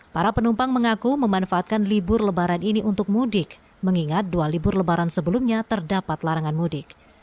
para penumpang mengaku memanfaatkan libur lebaran ini untuk mudik mengingat dua libur lebaran sebelumnya terdapat larangan mudik